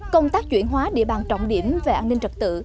công tác chuyển hóa địa bàn trọng điểm về an ninh trật tự